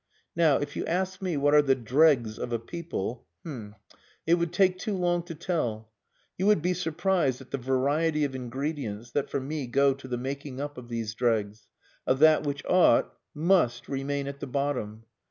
Now, if you ask me what are the dregs of a people h'm it would take too long to tell. You would be surprised at the variety of ingredients that for me go to the making up of these dregs of that which ought, must remain at the bottom.